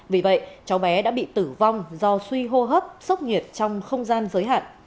vì vậy cháu bé đã bị tử vong do suy hô